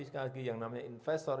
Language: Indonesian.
sekali lagi yang namanya investor